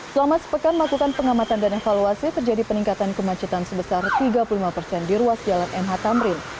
selama sepekan melakukan pengamatan dan evaluasi terjadi peningkatan kemacetan sebesar tiga puluh lima persen di ruas jalan mh tamrin